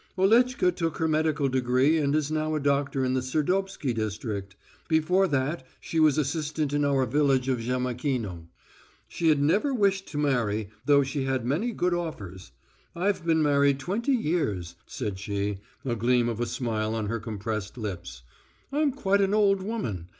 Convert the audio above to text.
Oletchka took her medical degree and is now a doctor in the Serdobsky district before that she was assistant in our village of Jemakino. She has never wished to marry, though she's had many good offers. I've been married twenty years," said she, a gleam of a smile on her compressed lips. "I'm quite an old woman....